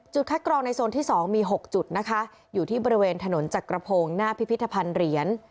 คัดกรองในโซนที่๒มี๖จุดนะคะอยู่ที่บริเวณถนนจักรพงศ์หน้าพิพิธภัณฑ์เหรียญ